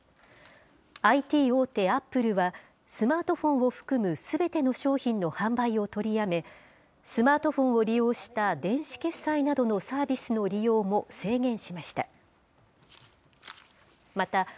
ＩＴ大手、アップルはスマートフォンを含む、すべての商品の販売を取りやめ、スマートフォンを利用した電子決済などのサービスの利用も制限しました。